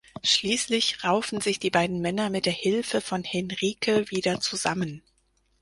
Schließlich raufen sich die beiden Männer mit der Hilfe von Henrike wieder zusammen.